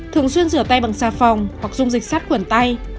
thường xuyên rửa tay bằng xa phòng hoặc dùng dịch sát khuẩn tay